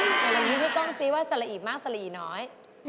แต่ละนี้พี่ต้องซีว่าสละอิมากสละอิน้อย